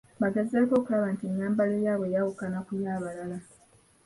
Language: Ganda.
Bagezaako okulaba nti ennyambala eyaabwe eyawuka ku ya balala.